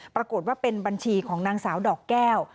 ปรากฏว่าเป็นบัญชีของนางสาวดอกแก้ว